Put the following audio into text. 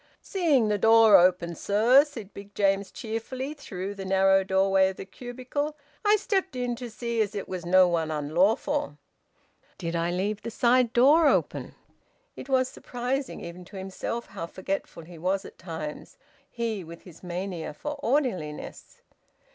"Seeing the door open, sir," said Big James cheerfully, through the narrow doorway of the cubicle, "I stepped in to see as it was no one unlawful." "Did I leave the side door open?" Edwin murmured. It was surprising even to himself, how forgetful he was at times, he with his mania for orderliness!